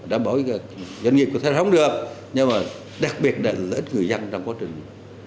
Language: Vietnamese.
đảm bảo cái doanh nghiệp của thầy không được nhưng mà đặc biệt là lợi ích người dân trong quá trình